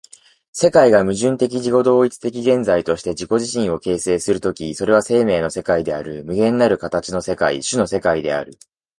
世界が矛盾的自己同一的現在として自己自身を形成する時、それは生命の世界である、無限なる形の世界、種の世界である。